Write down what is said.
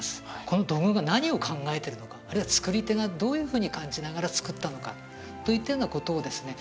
この土偶が何を考えてるのかあるいは作り手がどういうふうに感じながら作ったのかといったようなことをですね